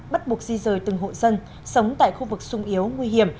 bắt buộc di rời từng hộ dân sống tại khu vực sung yếu nguy hiểm